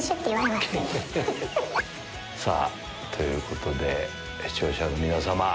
さぁということで視聴者の皆様。